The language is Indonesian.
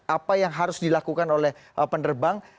apa yang harus dilakukan oleh penerbang